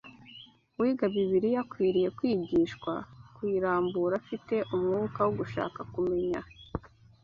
Uwiga Bibiliya akwiriye kwigishwa kuyirambura afite umwuka wo gushaka kumenya